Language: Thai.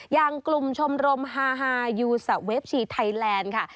อย่างกลุ่มชมรมฮายูสะเวฟชีไทยแลนด์ค่ะ